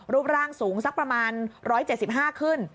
รูปร่างสูงสักประมาณ๑๗๕ขึ้น